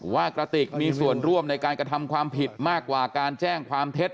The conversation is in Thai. กระติกมีส่วนร่วมในการกระทำความผิดมากกว่าการแจ้งความเท็จ